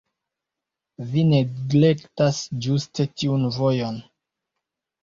Vi neglektas ĝuste tiun vojon.